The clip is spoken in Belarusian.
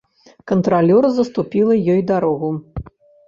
Кантралёр заступіла ёй дарогу.